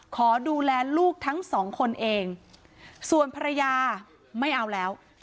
ขอดูแลลูกทั้งสองคนเองส่วนภรรยาไม่เอาแล้ว